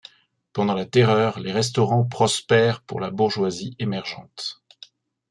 Pendant la Terreur, les restaurants prospèrent pour la bourgeoisie émergente.